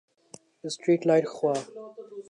street lights خوا